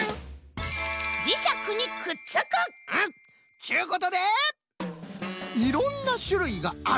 っちゅうことで「いろんなしゅるいがある」。